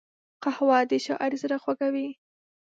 قهوه د شاعر زړه خوږوي